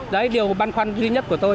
đấy điều băn khoăn duy nhất của tôi